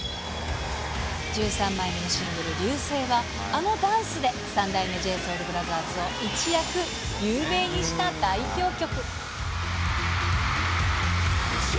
１３枚目のシングル、Ｒ．Ｙ．Ｕ．Ｓ．Ｅ．Ｉは、あのダンスで三代目ＪＳＯＵＬＢＲＯＴＨＥＲＳを一躍有名にした代表曲。